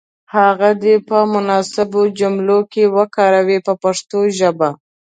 هغه دې په مناسبو جملو کې وکاروي په پښتو ژبه.